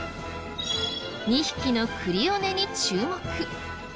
２匹のクリオネに注目。